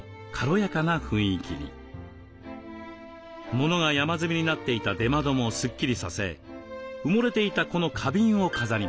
ものが山積みになっていた出窓もすっきりさせ埋もれていたこの花瓶を飾りました。